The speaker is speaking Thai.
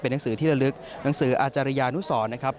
หนังสือที่ระลึกหนังสืออาจารยานุสรนะครับ